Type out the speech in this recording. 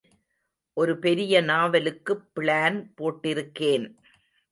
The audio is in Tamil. ஒரு பெரிய நாவலுக்குப் பிளான் போட்டிருக்கேன்.